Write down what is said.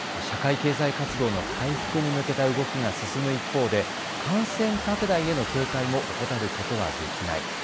社会経済活動の回復に向けた動きが進む一方で感染拡大への警戒も怠ることはできない。